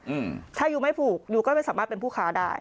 อืมถ้ายูไม่ผูกยูก็ไม่สามารถเป็นผู้ค้าได้